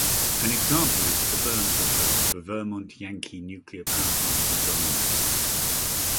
An example is the berm proposed for Vermont Yankee nuclear power plant in Vermont.